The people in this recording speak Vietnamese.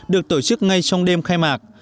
được tổ chức ngay trong đêm khai mạc